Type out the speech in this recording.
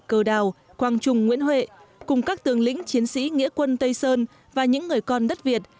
cờ đào quang trung nguyễn huệ cùng các tướng lĩnh chiến sĩ nghĩa quân tây sơn và những người con đất việt